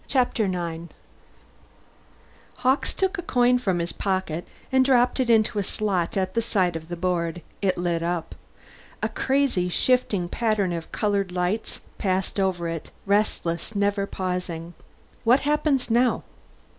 Chapter Nine Hawkes took a coin from his pocket and dropped it in a slot at the side of the board. It lit up. A crazy, shifting pattern of colored lights passed over it, restless, never pausing. "What happens now?"